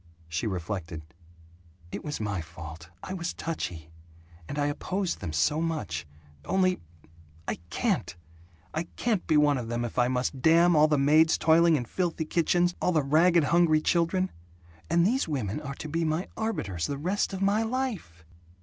She reflected, "It was my fault. I was touchy. And I opposed them so much. Only I can't! I can't be one of them if I must damn all the maids toiling in filthy kitchens, all the ragged hungry children. And these women are to be my arbiters, the rest of my life!"